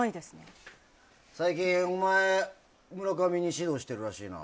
最近、お前村上に指導してるらしいな。